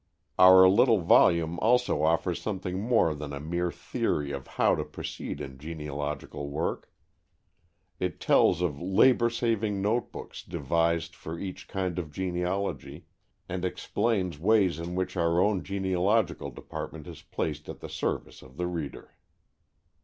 Our little volume also offers something more than a mere theory of how to proceed in genealogical work. It tells of labor saving notebooks devised for each kind of genealogy, and explains ways in which our own genealogical department is placed at the service of the reader.